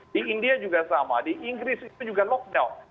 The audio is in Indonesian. di india juga sama di inggris itu juga lockdown